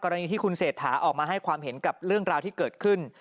กรณีที่คุณเศรษฐาออกมาให้ความเห็นกับเรื่องราวที่เกิดขึ้น